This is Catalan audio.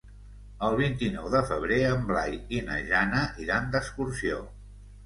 El vint-i-nou de febrer en Blai i na Jana iran d'excursió.